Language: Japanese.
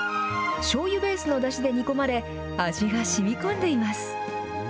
しょうゆベースのダシで煮込まれ、味がしみこんでいます。